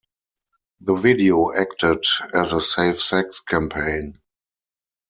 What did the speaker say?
The video acted as a safe sex campaign.